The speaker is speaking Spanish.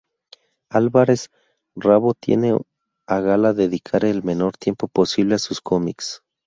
Álvarez Rabo tiene a gala dedicar el menor tiempo posible a sus cómics.